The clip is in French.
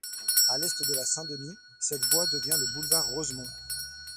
À l'est de la Saint-Denis, cette voie devient le boulevard Rosemont.